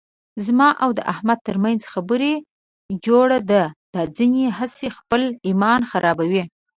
زما او د احمد ترمنځ خبره جوړه ده، دا ځنې هسې خپل ایمان خرابوي.